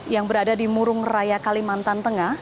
yang berada di murung raya kalimantan tengah